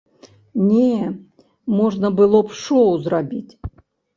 Не, можна было б шоў зрабіць.